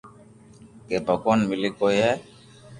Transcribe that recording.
ڪي ڀگوان ملي ڪوئي ھي